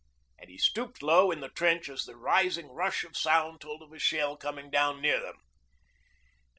and he stooped low in the trench as the rising rush of sound told of a shell coming down near them.